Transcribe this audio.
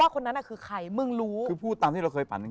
คือพูดตามที่เราเคยฝันจริง